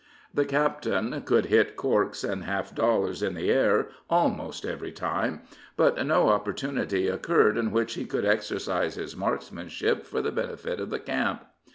The captain could hit corks and half dollars in the air almost every time, but no opportunity occurred in which he could exercise his markmanship for the benefit of the camp.